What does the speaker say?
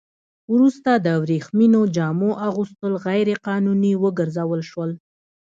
وروسته د ورېښمينو جامو اغوستل غیر قانوني وګرځول شول.